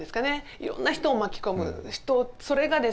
いろんな人を巻き込む人それがです